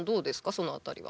その辺りは。